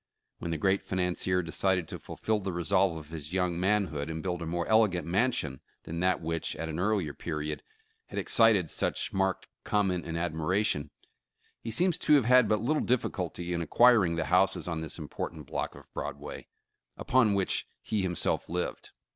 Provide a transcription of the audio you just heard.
When the great financier decided to fulfill the resolve of his young manhood, and build a more elegant mansion than that which, at an earlier period, had excited such marked comment and admira tion, he seems to have had but little difficulty in acquir ing the houses on this important block of Broadway, upon which he himself lived.